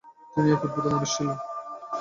তিনি এক অদ্ভুত মানুষ ছিলেন।